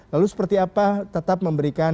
lalu seperti apa tetap memberikan